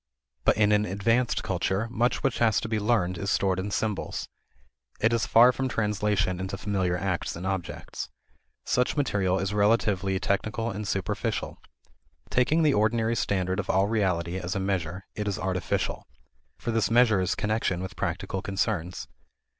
But in an advanced culture much which has to be learned is stored in symbols. It is far from translation into familiar acts and objects. Such material is relatively technical and superficial. Taking the ordinary standard of reality as a measure, it is artificial. For this measure is connection with practical concerns.